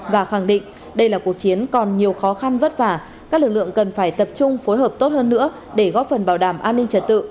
và khẳng định đây là cuộc chiến còn nhiều khó khăn vất vả các lực lượng cần phải tập trung phối hợp tốt hơn nữa để góp phần bảo đảm an ninh trật tự